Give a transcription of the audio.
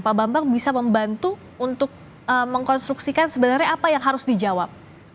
pak bambang bisa membantu untuk mengkonstruksikan sebenarnya apa yang harus dijawab